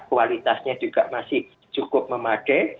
kualitasnya juga masih cukup memadai